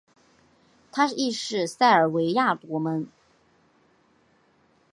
他亦是塞尔维亚国门。